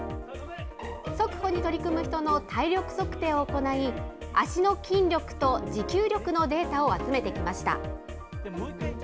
速歩に取り組む人の体力測定を行い、足の筋力と持久力のデータを集めてきました。